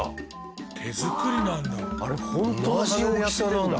手作りなんだ。